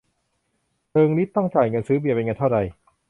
เริงฤทธิ์ต้องจ่ายเงินซื้อเบียร์เป็นเงินเท่าใด